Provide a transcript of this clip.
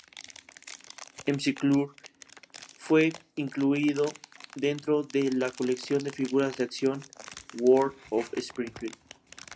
McClure fue incluido dentro de la colección de figuras de acción "World of Springfield".